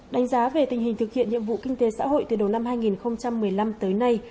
đánh giá về tình hình thực hiện nhiệm vụ kinh tế xã hội từ đầu năm hai nghìn một mươi năm tới nay